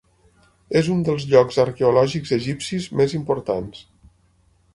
És un dels llocs arqueològics egipcis més importants.